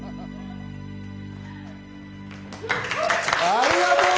ありがとう！